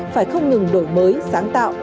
phải không ngừng đổi mới sáng tạo